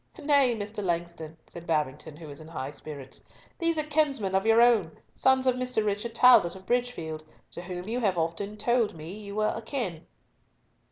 "Nay, Mr. Langston," said Babington, who was in high spirits, "these are kinsmen of your own, sons of Mr. Richard Talbot of Bridgefield, to whom you have often told me you were akin."